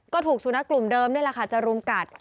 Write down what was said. ก็ถูกสุนัขกลุ่มเดิมนี่แหละค่ะจะรุมกัด